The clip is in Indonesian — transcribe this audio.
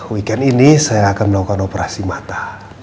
weekend ini saya akan melakukan operasi mata